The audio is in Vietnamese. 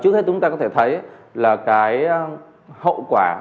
trước hết chúng ta có thể thấy là cái hậu quả